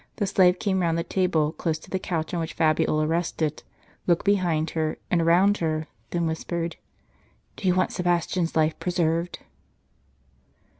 The slave came round the table, close to the couch on which Fabiola rested, looked behind her, and around her, then whispered, " Do you want Sebastian's life pre served